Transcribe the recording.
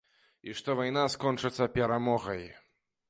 І што вайна скончыцца перамогай.